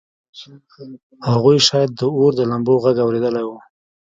هغوی شاید د اور د لمبو غږ اورېدلی و